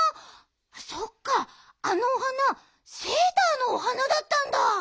そっかあのお花セーターのお花だったんだ。